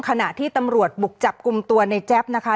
ขณะที่ตำรวจบุกจับกลุ่มตัวในแจ๊บนะคะ